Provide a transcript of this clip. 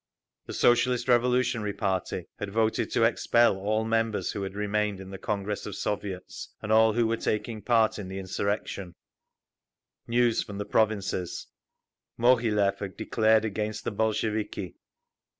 The Socialist Revolutionary Party had voted to expel all members who had remained in the Congress of Soviets, and all who were taking part in the insurrection…. News from the provinces. Moghilev had declared against the Bolsheviki.